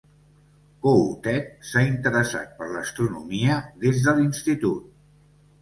Kohoutek s'ha interessat per l'astronomia des de l'institut.